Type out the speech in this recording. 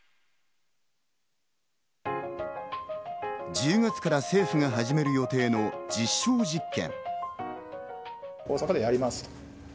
１０月から政府が始める予定の実証実験。